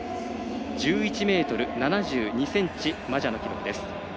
１１ｍ７２ｃｍマジャの記録です。